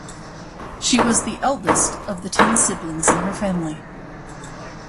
She was the eldest of the ten siblings in her family.